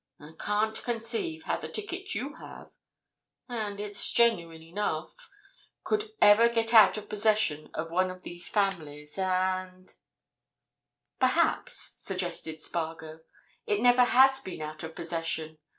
I can't conceive how the ticket you have—and it's genuine enough—could ever get out of possession of one of these families, and—" "Perhaps," suggested Spargo, "it never has been out of possession.